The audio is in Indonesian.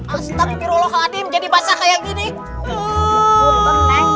astaghfirullahaladzim jadi basah seperti inik